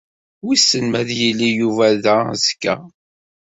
Wissen ma ad yili Yuba da azekka.